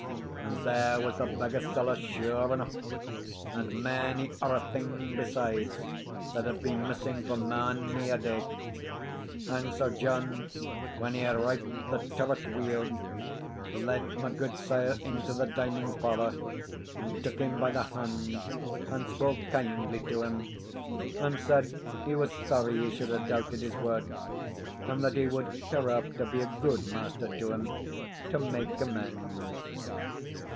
And there was the bag of siller sure aneaugh, and mony orra thing besides, that had been missing for mony a day. And Sir John, when he had riped the turret weel, led my gudesire into the dining parlour, and took him by the hand, and spoke kindly to him, and said he was sorry he should have doubted his word, and that he would hereafter be a good master to him, to make amends.